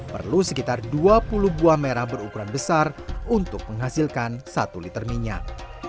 perlu sekitar dua puluh buah merah berukuran besar untuk menghasilkan satu liter minyak